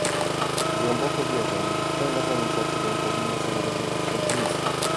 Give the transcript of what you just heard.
Głęboko wierzę, że w tę nową inicjatywę powinna zaangażować się Komisja